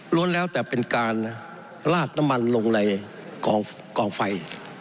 แล้วแต่เป็นการลากน้ำมันลงในกองไฟ